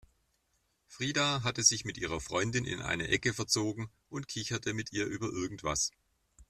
Frida hatte sich mit ihrer Freundin in eine Ecke verzogen und kicherte mit ihr über irgendwas.